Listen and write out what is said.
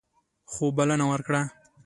خو بلنه ورکړه.